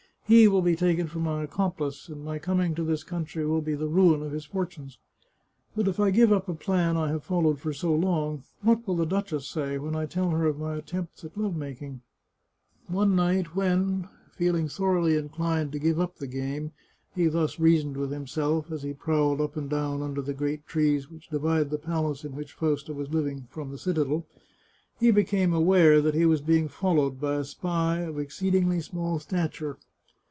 He will be taken for my accomplice, and my coming to this country will be the ruin of his fortunes. But if I give up a plan I have followed for so long, what will the duchess say when I tell her of my attempts at love making? " One night when, feeling sorely inclined to give up the game, he thus reasoned with himself, as he prowled up and down under the g^eat trees which divide the palace in which 241 The Chartreuse of Parma Fausta was living from the citadel, he became aware that he was being followed by a spy of exceedingly small stature.